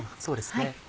そうですね。